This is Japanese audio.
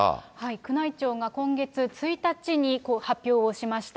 宮内庁が今月１日に発表をしました。